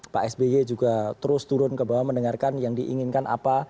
pak sby juga terus turun ke bawah mendengarkan yang diinginkan apa